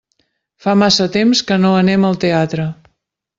Fa massa temps que no anem al teatre.